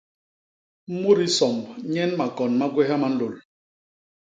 Mu disomb nyen makon ma gwéha ma nlôl.